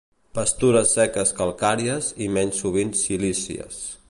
Pastures seques calcàries i menys sovint silícies.